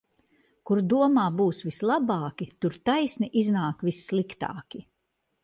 Kur domā būs vislabāki, tur taisni iznāk vissliktāki.